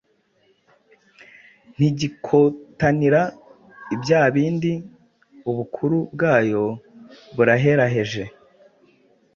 Ntigikotanira iby'abandi, Ubukuru bwayo buraheraheje,